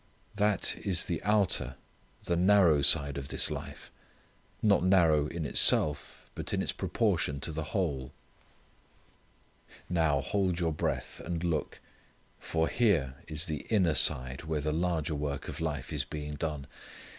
That is the outer, the narrow side of this life: not narrow in itself but in its proportion to the whole. Now, hold your breath, and look, for here is the inner side where the larger work of life is being done.